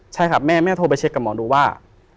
ใช่ครับแม่แม่โทรไปเช็คกับหมอดูว่า